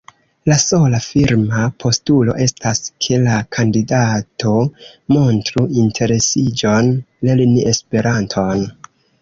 La sola firma postulo estas, ke la kandidato “montru interesiĝon lerni Esperanton”.